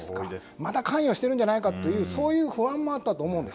また関与しているんじゃないかというそういう不安もあったと思うんです。